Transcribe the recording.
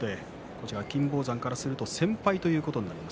金峰山からすると先輩ということになります